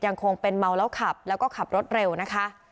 ยังคงเป็นเมาแล้วขับแล้วก็ขับรถเร็วนะคะ